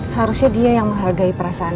harusnya dia yang menghargai perasaan